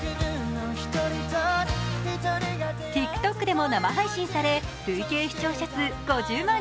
ＴｉｋＴｏｋでも生配信され累計視聴者数５０万